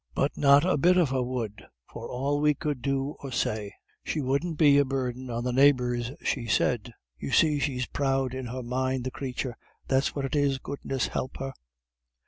But not a bit of her would for all we could do or say. She wouldn't be a burden on the neighbours she said. You see she's proud in her mind, the crathur, that's what it is, goodness help her."